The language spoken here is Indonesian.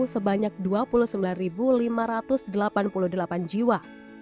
sebanyak dua puluh sembilan lima ratus delapan puluh delapan jiwa